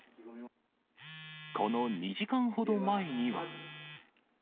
この２時間ほど前には。